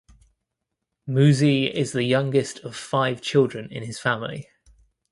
Muzi is the youngest of five children in his family.